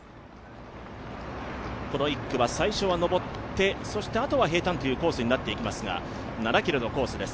この１区は最初は上って、あとは平たんというコースになっていきますがー７ｋｍのコースです。